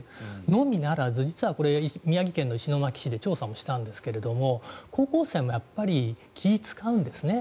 のみならず、実は宮城県石巻市で調査もしたんですが高校生も気を遣うんですね。